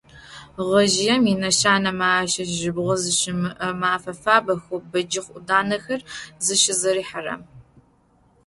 Гъэжъыем инэшанэмэ ащыщ жьыбгъэ зыщымыӏэ мэфэ фабэхэу бэджыхъ ӏуданэхэр зыщызэрихьэрэм.